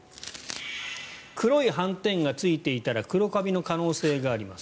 黒い斑点がついていたら黒カビの可能性があります。